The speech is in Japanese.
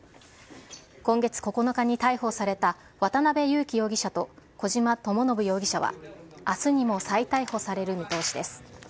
今月９日に逮捕された渡辺優樹容疑者と小島智信容疑者は、あすにも再逮捕される見通しです。